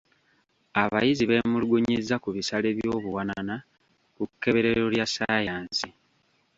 Abayizi beemulugunyizza ku bisale eby'obuwanana ku kkeberero lya ssaayansi.